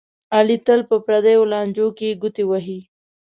علي تل په پردیو لانجو کې ګوتې وهي.